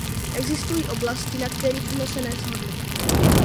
Existují oblasti, na kterých jsme se neshodli.